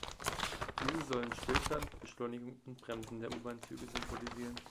Diese sollen Stillstand, Beschleunigung und Bremsen der U-Bahnzüge symbolisieren.